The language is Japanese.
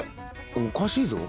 おかしいぞ。